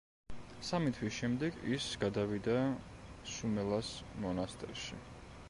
სამი თვის შემდეგ ის გადავიდა სუმელას მონასტერში.